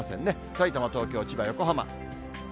さいたま、東京、千葉、横浜。